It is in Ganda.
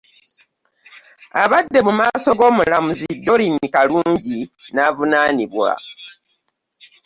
Abadde mu maaso g'omulamuzi Doreen kalungi n'avunaanibwa.